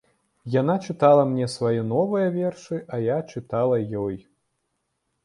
Яна чытала мне свае новыя вершы, а я чытала ёй.